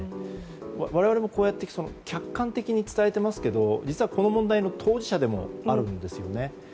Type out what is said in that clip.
我々、客観的に伝えていますけど実はこの問題の当事者でもあるんですね。